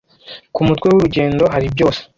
ku mutwe w'urugendo hari byose